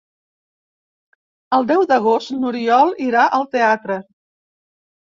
El deu d'agost n'Oriol irà al teatre.